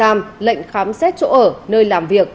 tạm giam lệnh khám xét chỗ ở nơi làm việc